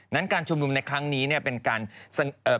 นั้นการชุมนุมในครั้งนี้เนี่ย